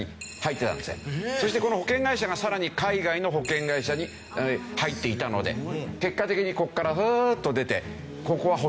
そしてこの保険会社がさらに海外の保険会社に入っていたので結果的にここからフーッと出て。